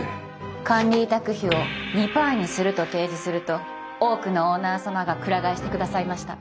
管理委託費を２パーにすると提示すると多くのオーナー様がくら替えしてくださいました。